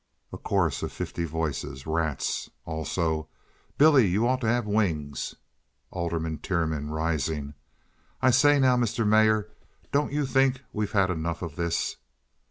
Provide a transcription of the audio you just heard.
A Chorus of Fifty Voices. "Rats!" (also) "Billy, you ought to have wings." Alderman Tiernan (rising). "I say now, Mr. Mayor, don't you think we've had enough of this?"